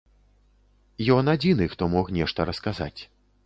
Ён адзіны, хто мог нешта расказаць.